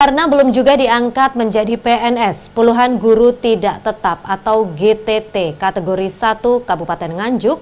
karena belum juga diangkat menjadi pns puluhan guru tidak tetap atau gtt kategori satu kabupaten nganjuk